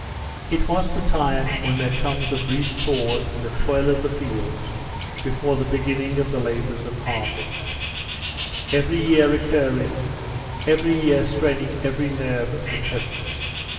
It was the time when there comes a brief pause in the toil of the fields before the beginning of the labors of harvest—every year recurring, every year straining every nerve of the peasants.